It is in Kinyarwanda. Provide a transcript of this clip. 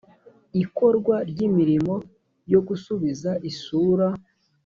ikorwa ry imirimo yo gusubiza isura